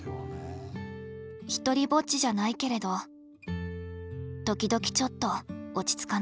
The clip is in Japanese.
独りぼっちじゃないけれど時々ちょっと落ち着かない。